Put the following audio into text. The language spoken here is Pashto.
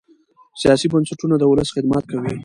سیاسي بنسټونه د ولس خدمت کوي